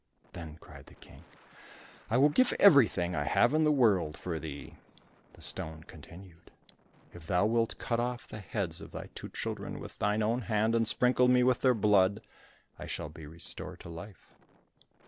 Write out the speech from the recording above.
Then cried the King, "I will give everything I have in the world for thee." The stone continued, "If thou wilt will cut off the heads of thy two children with thine own hand, and sprinkle me with their blood, I shall be restored to life."